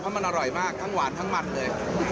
มันอร่อยมากทั้งหวานทั้งมันเลย